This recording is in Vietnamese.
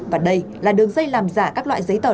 và đây là đường dây làm giả các loại giấy tờ